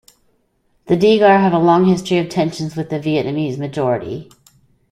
The Degar have a long history of tensions with the Vietnamese majority.